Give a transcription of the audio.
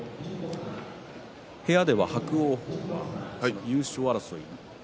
部屋では伯桜鵬は優勝争い